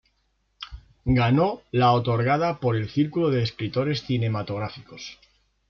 Ganó la otorgada por el Círculo de Escritores Cinematográficos.